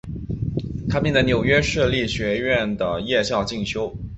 他并在纽约市立学院的夜校进修。